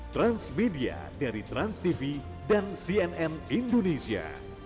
transmedia dari transtv dan cnn indonesia